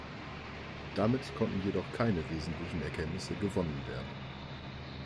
Damit konnten jedoch keine wesentlichen Erkenntnisse gewonnen werden.